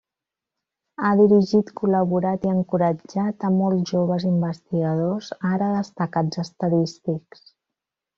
Ha dirigit, col·laborat i encoratjat a molts joves investigadors ara destacats estadístics.